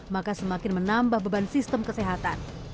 maka semakin menambah beban sistem kesehatan